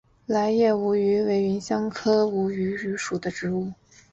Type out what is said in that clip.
楝叶吴萸为芸香科吴茱萸属的植物。